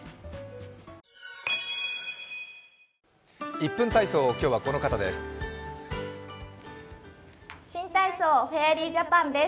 １分体操、今日はこの方です